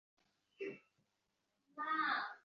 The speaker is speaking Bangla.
মেয়েরা মোহিনী হয়েছে নেহাত দায়ে পড়ে।